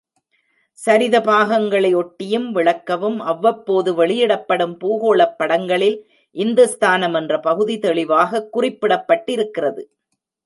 சரித பாகங்களை ஒட்டியும் விளக்கவும் அவ்வப்போது வெளியிடப்படும் பூகோளப் படங்களில் இந்துஸ்தானம் என்ற பகுதி தெளிவாகக் குறிப்பிடப்பட்டிருக்கிறது.